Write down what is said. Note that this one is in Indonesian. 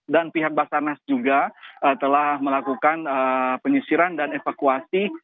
dan pihak basarnas juga telah melakukan penyisiran dan evakuasi